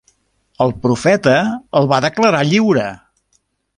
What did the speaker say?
El Profeta el va declarar lliure.